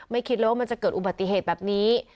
คิดเลยว่ามันจะเกิดอุบัติเหตุแบบนี้